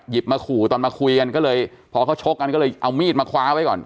มาขู่ตอนมาคุยกันก็เลยพอเขาชกกันก็เลยเอามีดมาคว้าไว้ก่อน